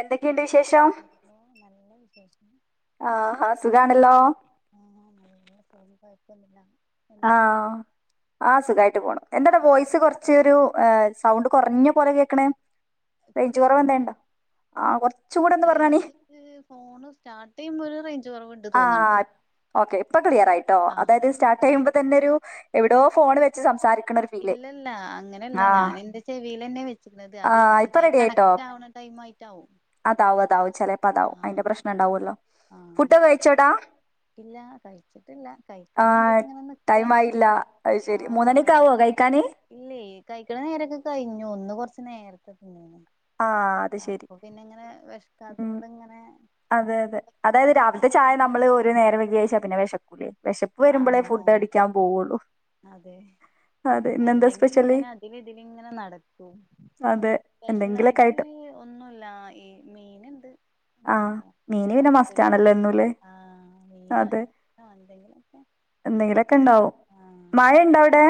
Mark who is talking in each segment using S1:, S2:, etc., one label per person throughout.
S1: എന്തൊക്കെണ്ട് വിശേഷം
S2: വിശേഷോ നല്ല വിശേഷം
S1: ആഹാ സുഖാണല്ലോ
S2: ആഹ് നല്ല സുഖം കൊയ്പ്പൊന്ന്ല്ല
S1: ആഹ് ആ സുഖായ്ട്ട് പോണു എന്താടാ
S2: ഓക്കെ.
S1: വോയിസ് കൊറ് ച്ചെരു ഏ സൗണ്ട് കൊറ്ഞ്ഞ പോലെ കേക്ക്ണേ
S2: ഇപ്പൊ
S1: റെയ്ഞ്ച്
S2: കേക്ക്ണ്ടോ
S1: കൊറവെന്തേണ്ടോ ആഹ് കൊറ്ച്ചകൂടൊന്ന് പറ്ഞ്ഞാണി
S2: ഈ ഫോണ് സ്റ്റാർട്ടെയ്യുമ്പൊര് റെഞ്ച്
S1: ആഹ് ഓക്കെ ഇപ്പം ക്ലിയറായിട്ടോ
S2: ആഹ്
S1: അതായത് സ്റ്റാർട്ടെയ്യുമ്പോ തന്നൊരു എവിടോ ഫോൺ വെ ച്ച് സംസാരിക്ക്ണൊര്
S2: ഇല്ലല്ലാ അങ്ങനെല്ല ഞാനെന്റെ ചെവീലെന്നെ വെച്ച്ക്ക്ണത്
S1: ആ
S2: അത് ഇന്തായി കണ റ്റവണ ടൈമായ്ട്ടാവും
S1: അതാവു അതാവും ചേലപ്പതാവും അയ്ന്റെ പ്രെശ്നെണ്ടാവൊല്ലോ
S2: ആഹ്
S1: പുഡൊക്കെ കഴ്ച്ചോടാ
S2: ഇല്ലാ കഴ്ച്ച്ട്ടില്ല
S1: ആ
S2: കഴ്ക്കാൻ വാണ്ടീട്ട്ങ്ങനെ
S1: ടൈം
S2: നിക്കാണ്
S1: ആയില്ല അത് ശരി
S2: ആഹ്
S1: മൂന്നണിക്കാവോ കഴിക്കാന്
S2: ഇല്ല്യേ കയ്ക്ക്ണെ നേരൊക്കെ കഴിഞ്ഞു ഇന്ന് കൊറ്ച്ച് നേരത്തെ പോന്ന്
S1: ആഹ്
S2: അപ്പൊ പിന്നെങ്ങനെ വെഷ്ക്കാത്തോണ്ട്ങ്ങനെ
S1: അതെ അതെ അതായത് രാവില്ത്തെ നമ്മൾ ചായ നമ്മള്
S2: നിക്കും
S1: ഒരു നേരംവൈകി കഴ്ച്ചാപിന്നെ വെഷക്കൂലേ വെഷ പ്പ് വെരുമ്പളേ
S2: ആഹ് ആഹ്
S1: ഫുഡടിക്കാൻ പോവൊള്ളു
S2: അതെ
S1: സ്പെഷ്യല്?
S2: അല്ലെങ്കിങ്ങനെ അതിലിതിലിങ്ങനെ നടക്കും
S1: അതെ. എന്തെങ്കിലൊക്കെ
S2: സ്പെഷ്യലായ്ട്ട്
S1: ആയിട്ട്.
S2: ഒന്നുല്ലാ ഈ മീൻണ്ട്
S1: ആ
S2: എന്താ
S1: മീന് പിന്നെ
S2: ബത്തൽ
S1: മസ്റ്റാണല്ലോ എന്നുല്ലേ?
S2: ആഹ് മീനോ [unintelligible] എന്തെങ്കിലൊക്കെ
S1: എന്തെങ്കിലൊക്കെണ്ടാവും
S2: ആഹ്
S1: മഴെണ്ടവ്ടെ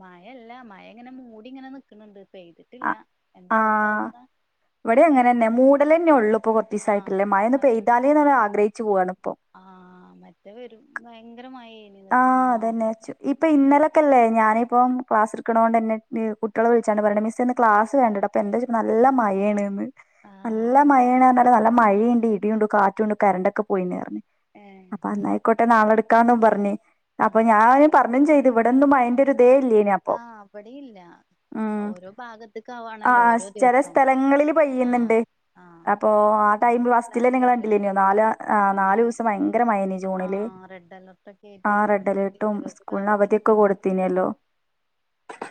S2: മയല്ല മഴങ്ങനെ മൂടിങ്ങനെ ന്ക്ക്ണ് ണ്ട് പെയ്ത്ട്ട്ല്ല എന്താ അവ്ട്ത്തവസ്ഥാ
S1: ഇവട്യങ്ങനെഞ്ഞെ മൂടലെന്നൊള്ളുപ്പം
S2: ആഹ്
S1: കൊറ്ച്ചീസായ്ട്ട്ള്ളെ മഴൊന്ന്
S2: അതെ
S1: പെയ്താലേന്ന്
S2: ആഹ്
S1: ആഗ്രഹിച്ച് പോവാണ്പ്പം
S2: ആഹ് മറ്റേ വെരും ഭയ്ങ്കര മഴേന്
S1: ആഹ് അതെന്നേച്ചു ഇപ്പം ഇന്നലെക്കല്ലേ ഞാനിപ്പം ക്ലാസ്ട്ക്ക്ണോണ്ടെന്നെ കുട്ട്യാൾ വിള്ച്ചാണ്ട് പറീണ്ട് മിസ്സേന്ന് ക്ലാസ് വേണ്ടടാ [unintelligible] നല്ല മഴേണ്ന്ന്
S2: ആഹ്
S1: നല്ല മഴേണർഞ്ഞാൽ നല്ല മഴീണ്ട് ഇടിയുണ്ട് കാറ്റുണ്ട് കരണ്ടൊക്കെ പോയിണറ്ഞ്ഞ്
S2: ഏഹ്
S1: അപ്പന്നായ്ക്കോട്ടെ നാളെടുക്കാന്നും പറ്ഞ്ഞ് അപ്പൊ
S2: ആഹ്
S1: ഞാന് പറ്ഞ്ഞും ചെയ്ത് ഇവെടെന്നും മഴൻ്റൊര്തേ ഇല്ലേന്
S2: ആഹ് ആവടീല്ലാ
S1: ഉം ആഹ് ചെല
S2: ദിവസം
S1: സ്ഥലങ്ങളിൽ
S2: ആഹ്
S1: പെയ്യ്ന്ന്ണ്ട്
S2: ആഹ്
S1: അപ്പൊ ആ ടൈം
S2: പറഞ്ഞിട്ട്
S1: ഫസ്സ്ലെന്നെ ങ്ങൾ
S2: കാര്യല്ല
S1: കണ്ടില്ലേന്യോ നാല് ആ
S2: ആഹ് ആഹ്
S1: നാല് ദെവ്സം ഭയ്ങ്കര മഴേനി ജൂണില്
S2: ആഹ് റെഡലർട്ടെക്ക
S1: ആഹ് റെഡ് അലേർട്ടും സ്കൂളിന് അവധിയൊക്കെ
S2: ആഹ്
S1: കൊടുത്തീനെല്ലോ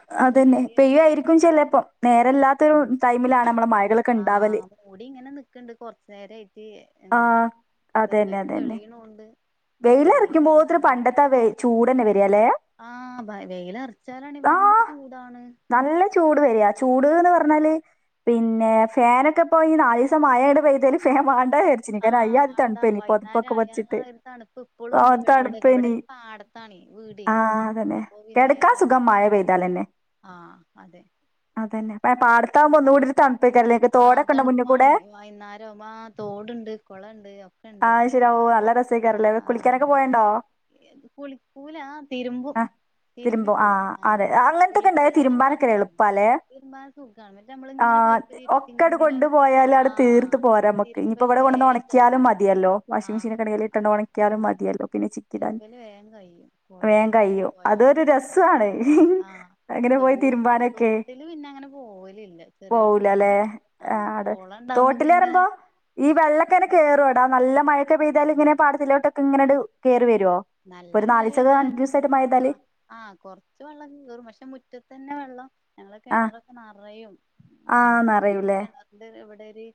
S2: ഇപ്പൊക്കെ
S1: അതന്നെ
S2: ശരിയായി
S1: പെയ്യുമായിരിക്കും ചില ഇപ്പം നേരല്ലാത്തൊരു ടൈമിലാണ് നമ്മളെ മഴകളൊക്കെ ഇണ്ടാവല്
S2: ഓടി ഇങ്ങനെ നിക്കണ്ട് കൊറച്ച് നേരം ആയിട്ട് ഇങ്ങനെ
S1: ആഹ്.
S2: ചെറുതായിട്ട് തെളിയണും ഉണ്ട്
S1: വെയില് എറക്കുമ്പോ ഇത്ര പണ്ടത്തെ വേ ആ ചൂടന്നെ വരികല്ലേ
S2: ആഹ് ഭ വെയിലറ ച്ചാലാണെ ഭയങ്കര
S1: ദാഹ്
S2: ചൂടാണ്
S1: നല്ല ചൂട് വരിക ചൂട്ന്ന് പറഞ്ഞാല് പിന്നെ ഫാനൊക്കെ ഇപ്പം ഈ നാല് സം മഴയാണ്ട് പെയ്താല് ഫാൻ വേണ്ട
S2: ആഹ് വാണ്ടാ വൈകുന്നേരം ആയാ തണുപ്പ് ഇപ്പളും
S1: ഓഹ്
S2: ഉണ്ടിവിടെ
S1: തണുപ്പേനി.
S2: എവിടൊക്കെ പാടത്താണെ വീട്
S1: ആഹ് അതന്നെ.
S2: അപ്പൊ പിന്നെ
S1: കെടക്കാൻ
S2: വൈ
S1: സുഖം മഴ പെയ്താലന്നെ.
S2: ആഹ് അതെ
S1: അതന്നെ പാടത്താവുമ്പം ഒന്നുകൂടി [unintelligible]
S2: ആഹ് തണുപ്പാണെ
S1: മുന്ന്കൂടെ?
S2: വൈകുന്നേരം ആവുമ്പം ആഹ് തോടുണ്ട് കുളണ്ട് ഒക്കെയുണ്ട്
S1: [unintelligible] കുളിക്കാനൊക്കെ
S2: ആഹ്
S1: പോവേണ്ടോ?
S2: അതന്നെ കുളിക്കൂലാ തിരുമ്പും തിരുമ്പി
S1: തിരുമ്പും
S2: പോരും
S1: ആഹ് അതെ അങ്ങനത്തൊക്കെ ഉണ്ടായാ
S2: കുളിക്കല് ഇവിടെ
S1: തിരുമ്പാനൊക്കെ
S2: ബാത്റൂമിൽ
S1: എളുപ്പാല്ലേ
S2: തിരുമ്പാൻ സുഖാണ് എന്നിട്ട് നമ്മള് ഇങ്ങനെ
S1: ആഹ്
S2: പൈപ്പില് ഇരുത്തി
S1: ഒക്കെ അട്
S2: ഇങ്ങനെ
S1: കൊണ്ടു പോയാലും അടെ തീർത്ത്
S2: ആഹ്
S1: പോരാം നമുക്ക് ഇനിപ്പോ
S2: തിരുമ്പല്
S1: ഇവിടെ കൊണ്ടുവന്ന്
S2: വേഗം
S1: ഉണക്കിയാലും
S2: കഴിയും
S1: മതിയല്ലോ വാഷിംഗ്
S2: ആഹ്
S1: മെഷീനെക്കെ എടേല് പെട്ടെന്ന്
S2: അതെ
S1: ഉണക്കിയാലും
S2: ആഹ്
S1: മതിയല്ലോ പിന്നെ ചിക്കിടാൻ
S2: തിരുമ്പല് വേഗം കഴിയും
S1: വേഗം
S2: കുളത്തിലേക്ക്
S1: കഴിയും
S2: പോയാല്
S1: അതൊരു രസ് വാണ്
S2: ആഹ്
S1: അങ്ങനെ പോയി
S2: തോട്ക്ക്
S1: തിരുമ്പാനൊക്കെ
S2: തോട്ടില് പിന്നെ അങ്ങനെ പോവലില്ല ചെറിയൊരു
S1: പോവൂല്ല അല്ലേ
S2: തോട്
S1: ആഹ് അടെ
S2: കൊളം ഉണ്ടാവുമ്പോ പിന്നെ
S1: തോട്ടിലേറുമ്പോ ഈ വെള്ളൊക്കെ ഇങ്ങനെ കേറുമോടാ നല്ല ഈ വെള്ളക്കോ എങ്ങനെ കേറും എടാ നല്ല മഴയൊക്കെ പെയ്താലും ഇങ്ങനെ പാടത്തിലോട്ടൊക്കെ ഇങ്ങനട് കേറി വരുവോ ഇപ്പം ഒരു [unintelligible] രണ്ടു ദിവസമായിട്ട് മഴ പെയ്താല്
S2: ആഹ് കൊറച്ച് വെള്ളം കേറും പക്ഷെ മുറ്റത്ത് തന്നെ വെള്ളം ഞങ്ങള്
S1: ആ
S2: കിണറൊക്കെ നിറയും
S1: ആ നിറയൂലേ
S2: [unintelligible] എന്ത് ഇവിടെ ഒര്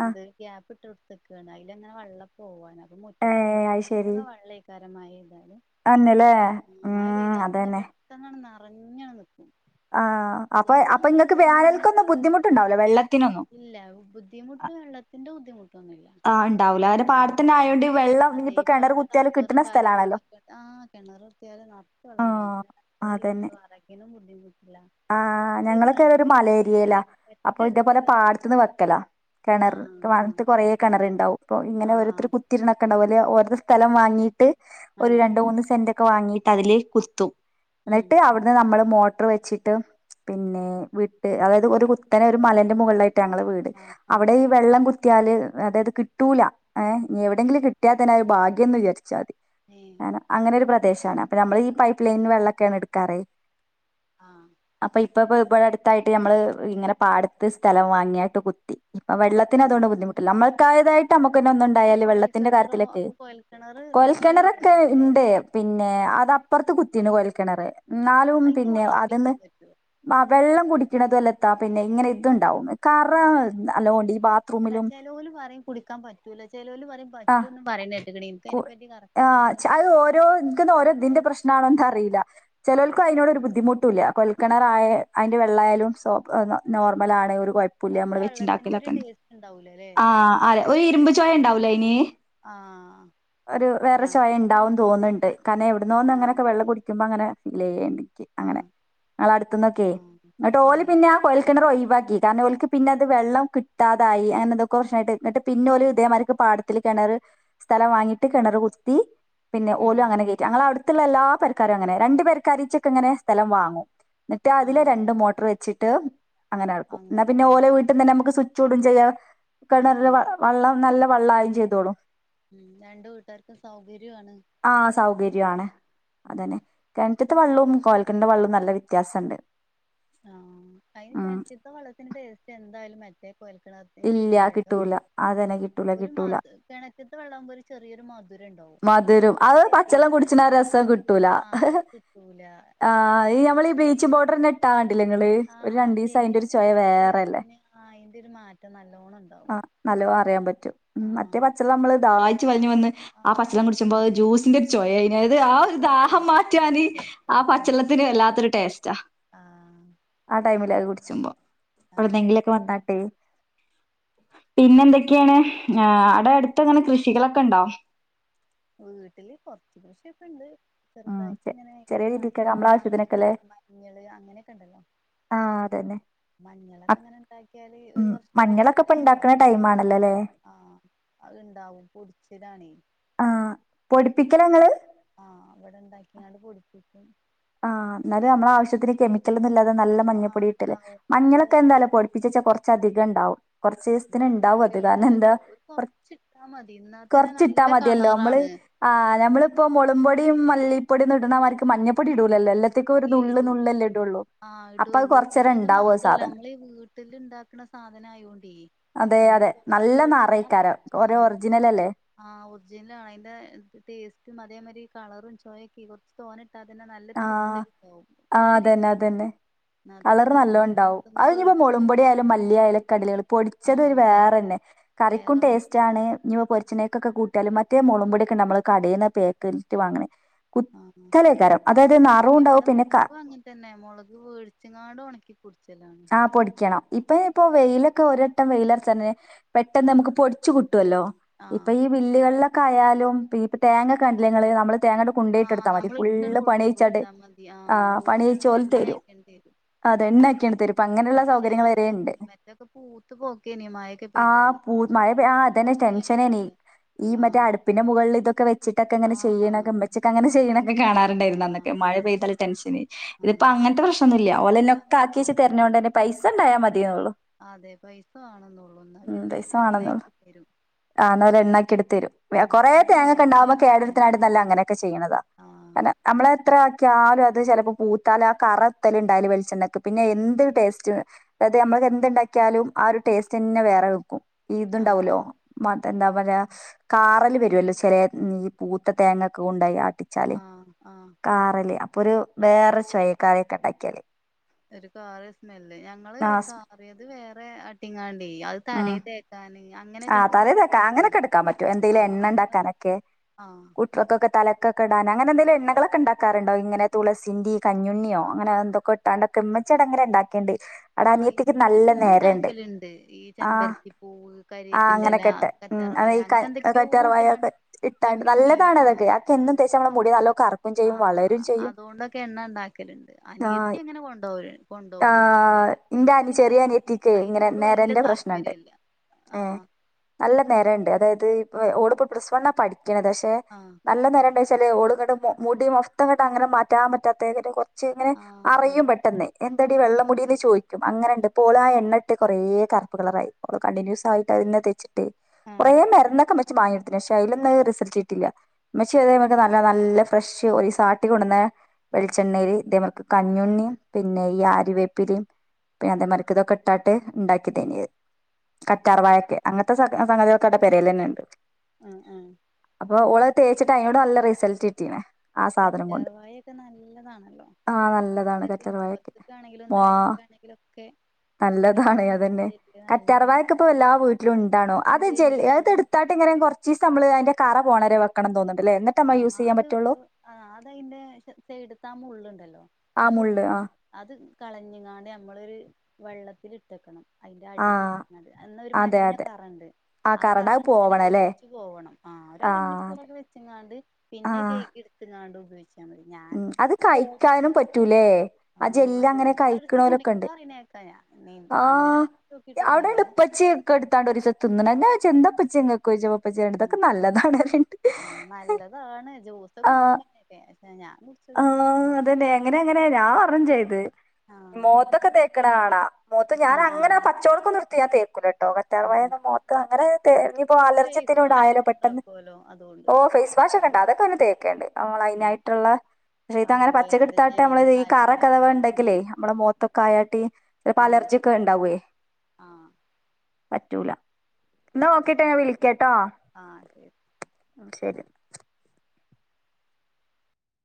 S1: ആ
S2: എന്ത് ഗ്യാപ്പ് ഇട്ട് കൊടുത്തക്കാണ് അതിലങ്ങനെ വെള്ളം പോവാന് അപ്പം
S1: ഏ
S2: മുറ്റത്ത് കൂടെ
S1: അത് ശരി
S2: [unintelligible] വെള്ളായിക്കാരം മഴെയ്താല്
S1: അന്നല്ലേ
S2: മഴ
S1: ഉം
S2: പെയ്താ തന്നെ
S1: അതന്നെ
S2: പെട്ടെന്നാണ് നിറഞ്ഞാണ് നി
S1: [inaudible] ആഹ് അപ്പൊ അപ്പൊ ഇങ്ങക്ക്
S2: ചോർന്നാ അങ്ങനെ
S1: വേനൽക്കൊന്നും ബുദ്ധിമുട്ടുണ്ടാവില്ല വെള്ളത്തിനൊന്നും
S2: ഇല്ല [unintelligible] വെള്ളത്തിന്റെ ബുദ്ധിമുട്ടൊന്നൂല്ല
S1: ആഹ് ഉണ്ടാവൂല അങ്ങനെ
S2: ആഹ്
S1: പാടത്തന്നെ ആയോണ്ട് ഈ വെള്ളം
S2: അതെ
S1: ഇനിയിപ്പോ കിണർ
S2: ഇപ്പറത്തെ
S1: കുത്തിയാല്
S2: കപ്പറും
S1: കിട്ടണ സ്ഥലാണല്ലോ
S2: കാര്യങ്ങളൊക്കെയിട്ട് ആഹ് കിണറ് കുത്തിയാല് നെറച്ച് വെള്ളണ്ടാവും
S1: ആഹ്
S2: പിന്നെ
S1: അതന്നെ
S2: [unintelligible] അറക്കിനും ബുദ്ധിമുട്ടില്ല
S1: ആഹ് ഞങ്ങളൊക്കെ
S2: ശരിയാണ്
S1: ഇവ്ടെ ഒരു
S2: വെല്ലുവിളി
S1: മലേരിയലാ അപ്പൊ ഇതേപോലെ
S2: ഏറ്റെടുത്തില്ല നമ്മള്
S1: പാടത്തൂന്ന് വെക്കലാ കിണറ്
S2: ആഹ് ആഹ്
S1: വാന്നട്ട് കുറേ കെണറ് ണ്ടാകും അപ്പോ ഇങ്ങനെ ഓരോരുത്തര്
S2: ആഹ്
S1: കുത്തിരിരണക്കണ്ടാവും അല്ലേ ഓരത് സ്ഥലം വാങ്ങി ട്ട്
S2: ആഹ്
S1: ഒര്
S2: ആഹ്
S1: രണ്ട് മൂന്ന് സെന്റ് ഒക്കെ വാങ്ങീട്ട് അതില് കുത്തും
S2: ഉം
S1: എന്നിട്ട് അവി ടെ നമ്മള് മോട്ടറ് വെച്ചിട്ട് പിന്നെ വിട്ട് അതായത് ഒരു കുത്തനെ ഒരു മലേന്റെ മുകളിലായിട്ടാ ഞങ്ങളെ വീ ട്
S2: ആഹ് ആഹ്
S1: അവിടെ ഈ വെള്ളം കുത്തിയാല് അതായത് കിട്ടൂല ഏഹ് ഇനി എവിടെയെങ്കിലും കിട്ടിയാൽത്തന്നെ അത് ഭാഗ്യം എന്ന് വിചാരിച്ചാ മതി
S2: ഏഹ്
S1: ങ്ങനെ അങ്ങനെ ഒരു പ്രദേശാണ് അപ്പൊ നമ്മൾ ഈ പൈപ്പ് ലൈൻ വെള്ളൊക്കെയാണ് എടുക്കാറ്
S2: ആഹ്
S1: അപ്പൊ ഇപ്പം ഇപ്പ ഇവിടെ അടുത്തായിട്ട് ന്തമ്മള് ഇങ്ങനെ പാടത്ത് സ്ഥലം വാങ്ങിയായിട്ട് കുത്തി ഇപ്പം വെള്ളത്തിന് അതുകൊണ്ട് ബുദ്ധിമുട്ടില്ല നമ്മൾക്കായത ട്ട് നമുക്കന്നെ
S2: ഈ
S1: ഒന്നൊണ്ടായാല്
S2: കൊയൽ
S1: വെള്ളത്തിന്റെ
S2: കിണറോ
S1: കാര്യത്തിലൊക്കെ
S2: അപ്പൊ കൊയൽ കിണറ് വെള്ളം
S1: കൊഴൽക്കിണറൊക്കെ
S2: ഉള്ളതാണോ
S1: ഇണ്ട് പിന്നെ
S2: ആഹ്
S1: അതപ് പ്പുറത്ത് കുത്തീന് കൊഴൽക്കിണറ് എന്നാലും
S2: അയിത്തെ
S1: പിന്നെ
S2: വെള്ളം
S1: അതന്ന്
S2: കുടിക്കാൻ പറ്റോ
S1: ആഹ് വെള്ളം കുടിക്കണതുവല്ലത്താ പിന്നെ ഇങ്ങനെ ഇതുണ്ടാവും കറ നല്ലോണ്ട് ഈ ബാത്
S2: അല്ല ചെലോല് പറയും കുടിക്കാൻ പറ്റൂല ചെലോല് പറയും
S1: ആ
S2: പറ്റൂന്നും പറയണേണ്ട്
S1: കു ആഹ് അത് ഓരോ ന്ന ഓരോ ഇതിന്റെ പ്രശ്നാണോന്ന് അറിയില്ല ചെലോൽക്കും അതിനോട് ഒരു ബുദ്ധിമുട്ടൂല്ല കുഴൽ കിണറായ അതിൻ്റെ വെള്ളമായാലും സോപ്പ് നോർമലാണ് ഒരു കൊഴപ് പ്പൂല്യ നമ്മള്
S2: പച്ചവെള്ളത്തിന്റെ ഒരു
S1: വെച്ചിണ്ടാക്കലൊക്കെ
S2: ടേസ്റ്റ് ഉണ്ടാവൂലല്ലേ
S1: ആഹ് അതെ ഒരു ഇരുമ്പ് ചൊയ ഒണ്ടാവൂലേ അയിന്
S2: ആഹ്
S1: ഒരു വേറെ
S2: ഞാൻ
S1: ചൊയ
S2: കുടിച്ച്
S1: ഉണ്ടാവുംന്ന് തോന്നുണ്ട്
S2: നോക്കിട്ടില്ല
S1: കാരണം
S2: ഏഹ്
S1: എവിടന്നോന്നൊങ്ങനൊക്കെ വെള്ളം കുടിക്കുമ്പോ അങ്ങനെ ഫീൽ ചെയ്യേണ്ട് ക്ക് അങ്ങനെ
S2: ആഹ്
S1: ങ്ങളടുത്തു നിന്നൊക്കെ
S2: ആഹ്
S1: ഇന്നട്ട് ഓല്
S2: ആഹ്
S1: പിന്നെയാ കൊയ ൽക്കിണറ് ഒഴിവാക്കി കാരണം ഓല്ക്ക് പിന്നത് വെള്ളം കിട്ടാതായി അങ്ങനെതൊക്കോ പ്രശ്നായിട്ട് എന്നിട്ട് പിന്നെ ഓല് ഇതേമാര്ക്ക് പാട ത്തില് കെണറ് സ്ഥലം വാങ്ങിട്ട് കെണറു കുത്തി പിന്നെ
S2: ഉം
S1: ഓലും അങ്ങനെ കെ റ്റ്. ഞങ്ങള അടുത്തുള്ള എല്ലാ പെരക്കാരും അങ്ങനെയാ രണ്ട് പെരക്കാരിച്ചൊക്കങ്ങനെ സ്ഥലം വാങ്ങും എന്നിട്ട് അതില്
S2: ആഹ്
S1: രണ്ട് മോട്ടർ വെച്ചിട്ട് അങ്ങനെടുക്കും എന്നാ പിന്നെ
S2: അങ്ങനെല്ലേ
S1: ഓലെ വീട് ട്ടും തന്നെ നമുക്ക് സ്വിച്ച് ഇടും ചെയ്യാം
S2: ആഹ്
S1: കിണറിൽ
S2: ആഹ്
S1: വള്ളം നല്ല വള്ളായും ചെയ്തോളും
S2: ഉം രണ്ട് കൂട്ടർക്കും സൗകര്യാണ്
S1: ആഹ് സൗകര്യാണ്
S2: ഉം
S1: അതന്നെ കിണറ്റത്തെ വെള്ളവും കൊയൽക്കിണറ്ന്റെ വെള്ളവും നല്ല വ്യത്യാസംണ്ട്
S2: ആഹ് അതിന് കെണറ്റിത്തെ വെള്ളത്തിന്റെ ടേസ്റ്റ് എന്തായാലും മറ്റേ കൊയൽക്കിണർത്തേന്
S1: ഇല്ല
S2: കിട്ടൂലല്ലോ
S1: കിട്ടൂല അതന്നെ കിട്ടൂല
S2: ഒരു
S1: കിട്ടൂല
S2: മധു കിണറ്റ്ത്തെ വെള്ളാകുമ്പോ ഒരു ചെറിയൊരു മധു
S1: മധുരം അത് പച്വെള്ളം കുടിച്ചാന് ആ രസം കിട്ടൂല
S2: ആഹ് കിട്ടൂല
S1: ആഹ് ഈ നമ്മളീ ബീച്ചിംഗ് പൗഡറിനെ ട്ടാണ്ടീലെങ്ങള് ഒരു
S2: ആഹ്
S1: രണ്ടീസം അയിന്റെ ഒരു
S2: ശരിയാണ്
S1: ചൊയ
S2: കൊറച്ച്
S1: വേറെല്ലേ
S2: ദിവസത്തിന് അയിന്റെ ഒരു മാറ്റം നല്ലോണം
S1: ആ
S2: ഇണ്ടാവും
S1: നല്ലോ അറിയാൻ പറ്റും മറ്റേ
S2: ആഹ്
S1: [unintelligible] നമ്മള് ദായിച്ചു വലിഞ്ഞ് വന്ന് ആ
S2: ആഹ്
S1: പച്ചള്ളം കുടിച്ച്മ്പോ ജ്യൂസിന്റെ ഒരു ചൊയേയി അതായത് ആ ഒരു
S2: അതെന്താ
S1: ദാഹം
S2: ടേസ്റ്റ് നല്ല
S1: മാറ്റുവാന് ആ
S2: ടേസ്റ്റാണ്
S1: പച്ചള്ളത്തിന് വല്ലാത്തൊരു ടേസ്റ്റാ.
S2: ആഹ്
S1: ആ ടൈമില് അത് കുടിച്ചുമ്പോ
S2: ആഹ് ആഹ്
S1: എവിടെന്നെങ്കിലൊക്കെ വന്നട്ടെ. പിന്നെന്തൊക്കാണ് ആടെ അടുത്ത് അങ്ങനെ കൃഷികളൊക്കെണ്ടോ?
S2: വീട്ടില് കൊറച്ച് കൃഷിയൊക്കെണ്ട്.
S1: ഉം ചെ
S2: ചെറുതായിട്ടിങ്ങനെ ഈ
S1: ചെറിയ
S2: മ
S1: രീതിക്ക് നമ്മളെ
S2: മത്തന്
S1: ആവശ്യത്തിനൊക്കെല്ലേ
S2: മഞ്ഞള് അങ്ങനെയൊക്കെണ്ടല്ലോ
S1: ആഹ് അതെയതെ
S2: മഞ്ഞളൊക്കങ്ങനെ ഇണ്ടാക്കിയാല് ഒരു
S1: മഞ്ഞളൊക്കെ
S2: വർഷത്തിനായിട്ട്
S1: ഇപ്പ
S2: [unintelligible]
S1: ഇണ്ടാക്കണ
S2: ണ്ടാവും.
S1: ടൈം ആണല്ലോ അല്ലേ
S2: ആഹ് അത്ണ്ടാവും പൊടിച്ചിതാണെ
S1: ആഹ് പൊടിപ്പിക്കല ങ്ങള്?
S2: ആഹ് അവിടെണ്ടാക്കിയാണ്ട് പൊടിപ്പിക്കും.
S1: ആഹ് എന്നാല് നമ്മളെ ആവശ്യത്തിന് കെമിക്കൽ ഒന്നുല്ലാതെ നല്ല
S2: ആഹ്
S1: മഞ്ഞപ്പൊടി വിറ്റല്.
S2: ഉണ്ടാവും പിറ്റത്തെ
S1: മഞ്ഞളൊക്കെ
S2: വർഷം
S1: എന്താലും
S2: അവിടെ ഉണ്ടാവും
S1: പൊടിപ്പിച്ചച്ചാ കൊറച്ചധികം ഉണ്ടാവും. കൊറച്ചീസ ത്തിന് ഉണ്ടാവും അത്. കാരണം എന്താ
S2: കേടില്ലല്ലോ ഒരു
S1: കൊ
S2: കൊറച്ചിട്ടാ മതി എന്നാ തന്നെ
S1: കൊറച്ചിട്ടാ
S2: നല്ല
S1: മതിയല്ലോ നമ്മള്
S2: കളറാണ്
S1: ആഹ് നമ്മളിപ്പോ മൊളംപൊടിയും മല്ലിപ്പൊടിം ഇടണ മാതിരിക്ക് മഞ്ഞപ്പൊടി ഇടൂലല്ലോ. എല്ലാത്തി
S2: ഈ ഇടും ആഹ്
S1: അപ്പൊ അത്
S2: ഇടുള്ളൂ പിന്നെ
S1: കൊറച്ചേരം
S2: അത്
S1: ഇണ്ടാവും ആ
S2: മാത്രല്ല
S1: സാധനം
S2: നമ്മള് വീ ട്ടില് ഇണ്ടാക്കണ സായ്നായോണ്ടേ
S1: അതെ
S2: നമ്മള്
S1: അതെ
S2: പൊറത്തന്ന്
S1: നല്ല
S2: വേടിച്ചെങ്കിൽ
S1: നാറയ്ക്കാരം
S2: കൊറച്ചിട്ടാ
S1: ഓരോ
S2: മതി.
S1: ഒറിജിനൽ അല്ലേ
S2: ആഹ് ഒറിജിനലാ അയിന്റെ ടേസ്റ്റും അതേ മാതിരി കളറും ചൊയേക്കെ കൊറച്ച് തോനേ അതന്നെ നല്ലൊരു കു
S1: ആഹ് ആഹ് അതന്നെ അതന്നെ
S2: അതന്നെ
S1: കളറ്
S2: അതാണ് നമ്മള്
S1: നല്ലോണ്ടാവും
S2: പുറത്തുന്ന്
S1: അതിനിപ്പോ
S2: മേടിച്ചത്
S1: മോളകുംപൊടി ആായാലും മല്ലിയായാലും കടലുകൾ പൊടിച്ചത്
S2: ആഹ്
S1: വേറന്നെ കറിക്കും
S2: വേറെ മാറ്റാണ്
S1: ടേസ്റ്റാണ് [unintelligible] പൊരിച്ചണക്കെ കൂട്ടിയാലും മറ്റേ മൊളക്പൊടിയൊക്കെ നമ്മള് കടേന്ന് പാക്കറ്റ് വാങ്ങണെ
S2: ആഹ്
S1: കുത്തലെ കാരം
S2: അതെ ഇവിടെ മുളക് അങ്ങനെ തന്നെ മുളക് വേടിച്ചങ്ങാട് ഒണക്കിപ്പൊടിച്ചലാണ്
S1: ആ പൊടിക്കണം ഇപ്പ ഇപ്പോ വെയിലൊക്കെ ഒരിട്ടം വെയിലടിച്ചാന്നെ പെട്ടെന്ന് നമുക്ക് പൊടിച്ചു കിട്ടുവല്ലോ. ഇപ്പ
S2: ആഹ്
S1: ഈ വില്ലുകളിലൊക്കെ ആയാലും ഇപ്പ തേങ്ങക്കണ്ടില്ലെങ്ങള് നമ്മള് തേങ്ങ
S2: ആഹ്
S1: കൊണ്ടയിട്ട്ടുത്താൽ മതി
S2: നമ്മള് ഇട്ടാണ്
S1: ഫുള്ളും
S2: കൊണ്ടോയി കൊടുത്താ മതി
S1: [unintelligible] ആഹ്
S2: ഓൽക്കാണ്
S1: പണിയായ്‌ച്ചോല്
S2: എണ്ണ
S1: തരും. അതന്നെയ്ക്കിങ്‌ തരും.
S2: ഇപ്പ
S1: അങ്ങനെയുള്ള
S2: പഴയ
S1: സൗകര്യങ്ങൾ വരെ
S2: പോല
S1: ഇണ്ട്
S2: മറ്റൊക്കെ പൂത്ത് പോക്കന്നെ മായൊക്കെ പെയ്താല്.
S1: മയ പെയ്
S2: ഇപ്പ
S1: ആഹ് അതന്നെ
S2: അതിനൊന്നും
S1: ടെൻഷനെനീ
S2: ചാൻസില്ല
S1: ഈ മറ്റേ
S2: ആഹ്
S1: അടുപ്പിന്റെ മുകളിലിതൊക്കെ വെച്ചിട്ടക്കെങ്ങനെ
S2: ആഹ്
S1: ചെയ്യണകുമ്മിച്ചി ഉച്ചക്ക് അങ്ങനെ ചെയ്യുന്നൊക്കെ കാണാറുണ്ടായിരുന്നു
S2: ആഹ്
S1: അന്നൊക്കെ മഴ
S2: അതെ
S1: പെയ്താല് ടെൻഷന്
S2: ആഹ്
S1: ഇപ്പങ്ങനത്തെ പ്രശ്നൊന്നുല്ല്യ. പോലെ ന്നെ
S2: അല്ല
S1: ഒക്കെ ആക്കി വെച്ച്
S2: ആവശ്യൊന്നുല്ല
S1: തെരണോണ്ടന്നെ പൈസ ഇണ്ടായാ മതിയേ ഒള്ളു
S2: അതെ പൈസ വാണെന്നൊള്ളൂ ന്നാ പിന്നെ എണ്ണ ആക്കി തരും.
S1: ആന്നവര് എണ്ണാക്കിട്ട്തെരും.
S2: ഉം
S1: കൊറേ
S2: അവിടെണ്ടോ
S1: തേങ്ങക്കെണ്ടാവുമ്പോ
S2: തേങ്ങയൊക്കെ ഉണ്ടോ
S1: കേടടുത്തിനാട്ടും നല്ല അങ്ങനെക്കെ ചെയ്യണതാ.
S2: ആഹ്
S1: അന നമ്മളെത്ര ആക്കിയാലും അത് ചെലപ്പോ പൂത്താല് ആ കറതന്നെ ഉണ്ടായല് വെളിച്ചെണ്ണക്ക് പിന്നെ എന്ത് ടേസ്റ്റ് അതെ നമ്മള് ഇനി എന്ത്ണ്ടാക്കിയാലും ആ ഒരു ടേസ്റ്റന്നെ വേറെ നിക്കും
S2: ആഹ്
S1: ഇതുണ്ടാവൂലോ?
S2: ആഹ്
S1: മറ്റ എന്താ പറയാ കാറല് വരുവല്ലോ ചെലേ ഉം ഈ പൂത്ത തേങ്ങൊക്കെ കൊണ്ടായി ആട്ടി
S2: ആഹ് ആഹ്
S1: കാറല് അപ്പൊരു വേറെ ചൊയെ കറിയൊക്കെണ്ടാക്കിയാല്.
S2: ഒരു കാറിയ സ്മെല്ല്. ഞങ്ങള്
S1: ആഹ്
S2: കാറിയത് വേറെ ആട്ടിങ്ങാണ്ടെയ് അത്
S1: ഉം
S2: തലേ തേ ക്കാന് അങ്ങ
S1: ആഹ് തലേതേക്കാ അങ്ങനെക്കെ എടുക്കാൻ പറ്റും എന്തെലും
S2: ആഹ്
S1: എണ്ണ
S2: അങ്ങനെ
S1: ഉണ്ടാക്കാനൊക്കെ
S2: ആഹ്
S1: ഇക്കൊക്കെ തലക്കെക്കടാൻ അങ്ങനെന്തലും എണകളൊക്കെണ്ടാറുണ്ടോ ഇങ്ങനെ തുളസിന്റേം കഞ്ഞുണിയോ അങ്ങനെ ന്തൊക്കെ താണ്ടൊക്കെ മ്മച്ചിടങ്ങനെ ഇണ്ടാക്കിയണ്ട്
S2: ആഹ് ഇന്റെമ്മ ഇണ്ടാക്കല്ണ്ട് ഈ
S1: ആ
S2: ചെമ്പരത്തി പൂവ്
S1: ആ
S2: കരിവേപ്പിന്റെ എല
S1: അങ്ങനൊക്കെ ഇട്ട് ഉം
S2: കറ്റാർ
S1: അത്
S2: വായ
S1: ഈ ക
S2: അങ്ങനെ
S1: കറ്റാർവാഴ
S2: എന്തൊക്കെയോട്ട്ങ്ങാണ്ട്
S1: ഒക്കെ ഇട്ടാണ്ട്
S2: കഞ്ഞുണ്ണി
S1: നല്ലതാണ് അതൊക്കെ
S2: ആഹ്
S1: അതൊക്കെ എന്നും തേച്ചാ മ്മള മുടിയാലോ കറ
S2: ആഹ് അതുകൊണ്ടൊക്കെ എണ്ണ ഉണ്ടാക്കല്ണ്ട്
S1: ആ
S2: അനിയത്തി അങ്ങനെ കൊണ്ടോ
S1: ആ
S2: കൊണ്ടോവണാണ എണ്ണ കാ
S1: ഇന്റെ
S2: ഇൻക്ക്
S1: അനി
S2: പിന്നെ
S1: ചെറിയ അനിയത്തിക്ക് ഇങ്ങനെ
S2: അയിനോട് വല്ല്യ
S1: നേരന്റെ പ്രശ്നണ്ട്
S2: താല്പര്യല്ല
S1: ഏഹ്
S2: ആഹ്
S1: നല്ല നെരണ്ട് അതായത് ഇപ്പൊ ഓള്പ്പ പ്ലസ് വണ്ണ പഠിക്കണത് ക്ഷെ ഏഹ്
S2: ആഹ്
S1: നല്ല നെരണ്ട്ച്ചാല് ഓള്ങ്ങട്ട് മുടി മൊത്തങ്ങട്ട് അങ്ങനെ മാറ്റാൻ പറ്റാത്ത കൊ ച്ച് ഇങ്ങനെ
S2: ആഹ് ആഹ്
S1: അറിയും പെട്ടെന്ന് എന്തടി വെള്ളമുടിന്ന് ചോയിക്കും അങ്ങനെണ്ട് പ്പോള് ആഹ് എണ്ണട്ട് കുറെ കറപ്പ് കളറായിപ്പോ കണ്ടിന്യൂസ് ആയിട്ട് ആ അതിന്നെ തേച്ച്ട്ടെയ് കൊറെേ
S2: ആഹ്
S1: മരുന്നൊക്കെ മെച്ച് മായത്തി പക്ഷേ അതിലൊന്നും റിസൾട്ട് കിട്ടില്ല മ്മച്ചി ഇതേ കണക്കു നല്ല നല്ല ഫ്രഷ് ഒരു സാട്ടി കൊടുന്ന
S2: ആഹ്
S1: വെളിച്ചെണ്ണല് ഇതേമുക്ക് കഞ്ഞുണ്ണിയും പിന്നെ ഈ ആരിവേപ്പിലിം പിന്നെ അതേ മരിക്ക് ഇതൊക്കെ ഇട്ടാട്ടെ ഇണ്ടാക്കിതെനിയെ
S2: ഉം
S1: കറ്റാർവായൊക്കെ അങ്ങനത്തെ സ സംഗതികൾക്കടെ പെരേല്ന്നെണ്ട്
S2: ആഹ് ആഹ്
S1: അപ്പൊ ഓള്ത് തേച്ചിട്ട് അയിനോട് നല്ല റിസൾട്ട് കിട്ടീന്
S2: കാറ്റർവായെക്കെ നല്ലതാണല്ലോ
S1: ആ നല്ലതാണ് കറ്റാർവാഴൊക്കെ
S2: മുഖത്തക്കാണെങ്കിലും
S1: വാ
S2: താലക്കാണെങ്കിലും ക്കെ
S1: നല്ലതാണ് അതന്നെ കറ്റാറവാ ക്ക് പ്പൊ എല്ലാ വീട്ടിലുംണ്ടാണോ അത്
S2: ഇണ്ട്
S1: ജല്
S2: ഇണ്ട്
S1: അത്
S2: ഇവിടെണ്ട്
S1: എടുത്താട്ട് ഇങ്ങനെ കൊറ ച്ചീസമ്മള് അയിന്റെ കറ പോണരെ വെക്കണം തോന്ന്ണ്ട്ല്ലേ എന്നിട്ട്മ്മ യൂസ്യ്യാൻ പറ്റൊള്ളൂ
S2: ആഹ് അത് അയിന്റെ സ സൈഡ്ത്തെ ആഹ് മുള്ള് ഉണ്ടല്ലോ
S1: ആ മുള്ള് ആഹ്
S2: അത് കളഞ്ഞങ്ങാണ്ട് നമ്മളൊരു വെള്ളത്തില്ട്ടക്കണം അയിന്റെ
S1: ആ
S2: അടി ചെത്ത്ന്നത് അത് നൊരു
S1: അതെ അതെ
S2: മഞ്ഞക്കറണ്ട്
S1: ആ
S2: ആഹ്
S1: കറണ്ട് അത്
S2: കറങ്ങനെ
S1: പോവണം അല്ലേ
S2: ഒലിച്ചു പോവണം ആ ഒരുരമണിക്കൂറൊക്കെ വെച്ച് ങ്ങാണ്ട് പിന്നെ
S1: ആ
S2: കെയ്കി എടുത്ത്ങ്ങാണ്ട് ഉപയോഗിച്ചാ മതി ഞാൻ
S1: ഉം അത്
S2: സോപ്പൊക്ക
S1: കഴിക്കാനും പറ്റൂലേ ആ
S2: ആഹ്
S1: ജെല്ല്
S2: അത്
S1: അങ്ങനെ
S2: ചൂസടിച്ച്
S1: കഴിക്കണോലൊക്കെ ഉണ്ട്
S2: കുടിക്കാ അറീനേക്ക തെ
S1: ആ
S2: അങ്ങനെ നോക്കിട്ടൊന്നുല്ലേ
S1: ക്കടുത്താണ്ട് ഒര് ചെത്ത് ഇങ്ങനെ ഞാച്ച് എന്താക്കച്ചെ ഇങ്ങ കൊയ്ചുമ്പ അപ്പച്ചിടെട്
S2: ഉം
S1: ഇതൊക്കെ നല്ലതാണ്റീണ്ട്
S2: ആ
S1: ആഹ്
S2: ഏഹ് സെ ഞാൻ കു
S1: അള്ളാ അതന്നെ അങ്ങനെ അങ്ങനെ ഞാൻ അറിം ചെയ്ത്
S2: ആ
S1: മോത്തൊക്കെ തേക്കണ കാണാ മോത്ത്
S2: ആ ആ
S1: ഞാനങ്ങനെ പച്ചടക്കൊന്നട്ത്ത് ഞാൻ തേക്കൂലട്ടോ കറ്റാർ
S2: ഉം
S1: വായ
S2: ഉം
S1: മോത്ത് അങ്ങനെ തെഞ്ഞിപ്പോ
S2: ഫേസ്
S1: അലർജ്യത്തിനോടായാലോ
S2: വാഷൊക്കെ
S1: പെട്ടെന്ന്
S2: ഉണ്ടാക്കുവല്ലോ അതുകൊണ്ട്
S1: ഓ ഫേസ് വാഷോക്കെട്ടെ അതൊക്കെ തന്നെ തേക്കണ്ട് നമ്മൾ
S2: ഉം
S1: അതിനായിട്ടുള്ള ഇത് അങ്ങനെ
S2: ആലുവേറിന്റെ
S1: പച്ചക്കടുത്തട്ട്
S2: ജെല്ലും
S1: നമ്മള് ഈ
S2: കാര്യങ്ങളൊക്കെ
S1: കറൊക്കെ
S2: ഉണ്ടായിരുന്നു
S1: ഉണ്ടെങ്കിലേ നമ്മള മോത്തൊക്കെ ആയാട്ട ചിലപ്പോ അലർജി ക്കെ ഉണ്ടാവേ
S2: ആഹ്
S1: പറ്റൂല്ല എന്നാ ഓക്കേട്ടോ ഞാ വിളിക്കട്ടോ
S2: ആഹ് ശരി
S1: അ ശരി